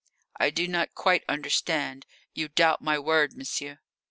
"I do not quite understand. You doubt my word, monsieur!"